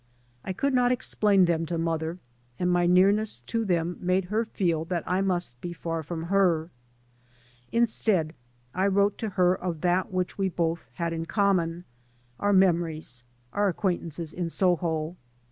I could not explain them to mother, and my nearness to them made her feel that I must be far from her. Instead I wrote to her of that which we both had in common — our memories, our acquaintances in Soho.